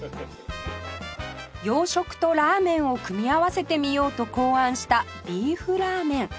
洋食とラーメンを組み合わせてみようと考案したビーフラーメン